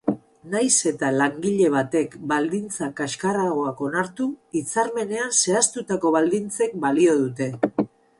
Nahiz eta langile batek baldintza kaxkarragoak onartu, hitzarmenean zehaztutako baldintzek balio dute.